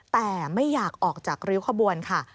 แต่ไม่อยากออกจากริ้วขบวนค่ะ